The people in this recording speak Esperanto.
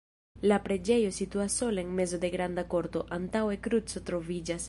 La preĝejo situas sola en mezo de granda korto, antaŭe kruco troviĝas.